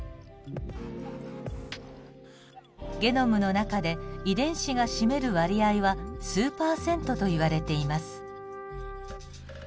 ゲノムの中で遺伝子が占める割合は数％といわれています。